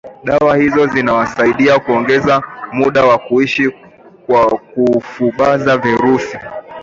dawa hizo zinawasaidia kuongeza muda wa kuishi kwa kufubaza virusi